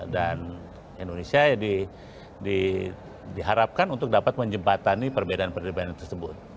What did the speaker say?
dan indonesia diharapkan untuk dapat menjembatani perbedaan perbedaan tersebut